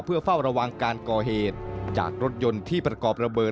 เพื่อเฝ้าระวังการก่อเหตุจากรถยนต์ที่ประกอบระเบิด